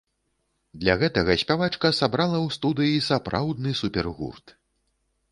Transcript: Для гэтага спявачка сабрала ў студыі сапраўдны супергурт.